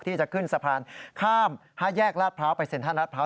ที่จะขึ้นสะพานข้าม๕แยกลาดพร้าวไปเซ็นทรัลลาดพร้า